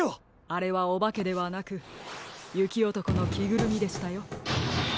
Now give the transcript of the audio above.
あれはおばけではなくゆきおとこのきぐるみでしたよ。